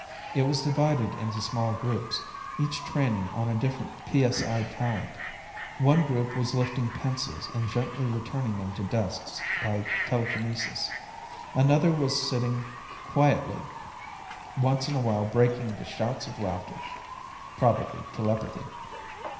It was divided into small groups, each training on a different psi talent. One group was lifting pencils and gently returning them to desks by telekinesis. Another was sitting quietly, once in a while breaking into shouts of laughter; probably telepathy.